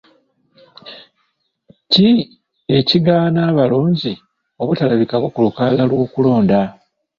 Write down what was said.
Ki ekigaana abalonzi obutalabikako ku lunaku lw'okulonda?